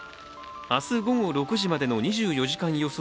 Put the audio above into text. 明日午後６時までの２４時間予想